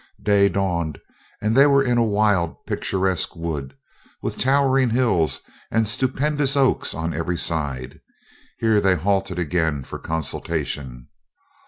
Day dawned, and they were in a wild, picturesque wood, with towering hills and stupendous oaks on every side. Here they halted again for consultation.